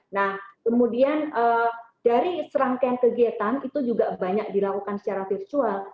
nah kemudian dari serangkaian kegiatan itu juga banyak dilakukan secara virtual